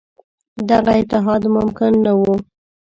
دغه اتحاد ممکن نه وو.